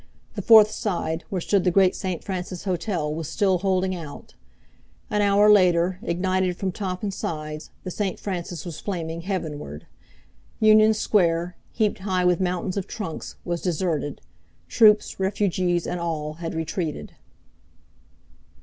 The fourth side, where stood the great St. Francis Hotel was still holding out. An hour later, ignited from top and sides the St. Francis was flaming heavenward. Union Square, heaped high with mountains of trunks, was deserted. Troops, refugees, and all had retreated.